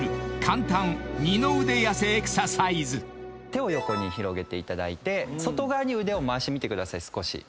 手を横に広げていただいて外側に腕を回してみてください。